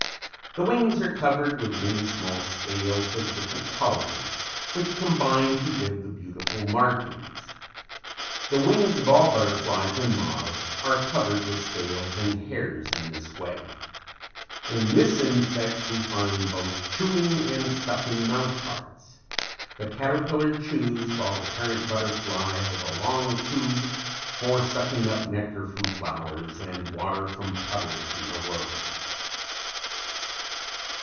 The wings are covered with very small scales of different colors which combine to give the beautiful markings. The wings of all butterflies and moths are covered with scales and hairs in this way. In this insect we find both chewing and sucking mouth parts. The caterpillar chews while the parent butterfly has a long tube for sucking up nectar from flowers and water from puddles in the road.